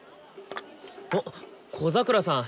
おっ小桜さん。